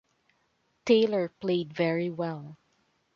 Taylor played very well.